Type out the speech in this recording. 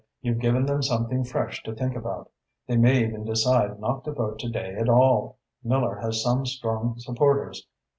"You've given them something fresh to think about. They may even decide not to vote to day at all. Miller has some strong supporters.